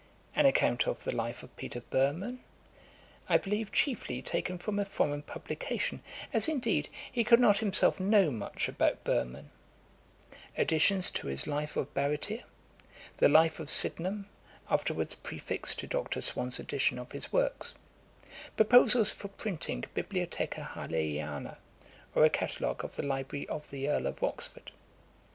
'An account of the Life of Peter Burman,'[*] I believe chiefly taken from a foreign publication; as, indeed, he could not himself know much about Burman; 'Additions to his Life of Baretier;'[*] 'The Life of Sydenham,'[*] afterwards prefixed to Dr. Swan's edition of his works; 'Proposals for Printing Bibliotheca Harleiana, or a Catalogue of the Library of the Earl of Oxford.'